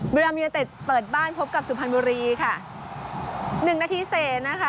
บริยามยเจษต์เปิดบ้านพบกับสุพรรณบุรีค่ะ